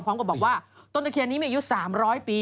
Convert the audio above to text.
ก็บอกว่าต้นตะเคียนนี้มีอายุ๓๐๐ปี